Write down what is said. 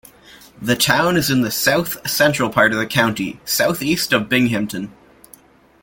The town is in the south-central part of the county, southeast of Binghamton.